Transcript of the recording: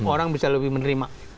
orang bisa lebih menerima